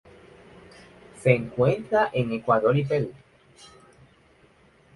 Se encuentran en Ecuador y Perú.